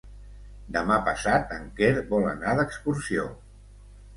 Demà passat en Quer vol anar d'excursió.